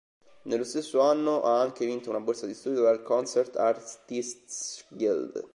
Nello stesso anno ha anche vinto una borsa di studio dal Concert Artists Guild.